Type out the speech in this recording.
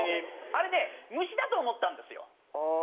あれね虫だと思ったんですよ。